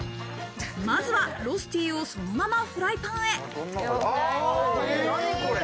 まずはロスティをそのままフライパンへ。